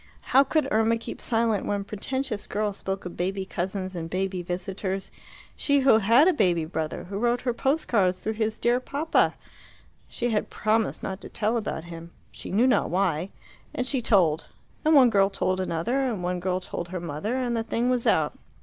How could Irma keep silent when pretentious girls spoke of baby cousins and baby visitors she who had a baby brother, who wrote her post cards through his dear papa? She had promised not to tell about him she knew not why and she told. And one girl told another, and one girl told her mother, and the thing was out.